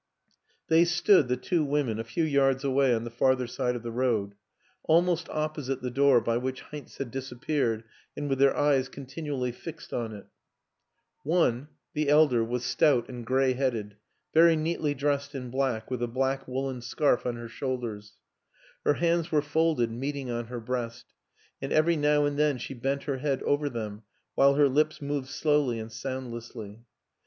They stood, the two women, a few yards away on the farther side of the road; almost opposite the door by which Heinz had disappeared and with their eyes continually fixed on it. One the elder was stout and gray headed, very neatly dressed in black with a black woolen scarf on her shoulders ; her hands were folded, meeting on her breast, and every now and then she bent her head over them while her lips moved slowly and soundlessly.